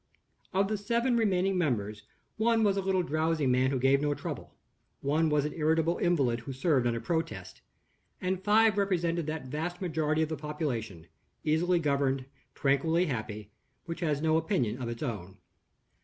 Of the seven remaining members, one was a little drowsy man who gave no trouble; one was an irritable invalid who served under protest; and five represented that vast majority of the population easily governed, tranquilly happy which has no opinion of its own.